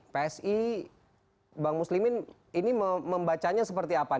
psi bang muslimin ini membacanya seperti apa